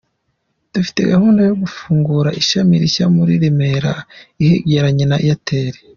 Dufite gahunda yo gufungura ishami rishya muri Remera ahegeranye na Airtel.